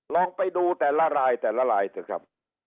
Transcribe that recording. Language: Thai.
ลองไปดูแต่ละลายแต่ละลายเถอะครับ